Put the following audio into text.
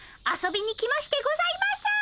遊びに来ましてございます！